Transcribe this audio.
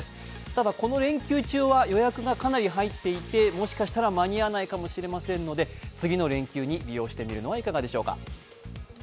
ただこの連休中は予約がかなり入っていてもしかしたら間に合わないかもしれませんので、次の連休に利用してみるのはいかがでしょうか。